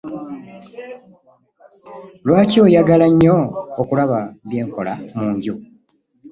Lwaki oyagala nnyo okulaba byenkolera mu nju?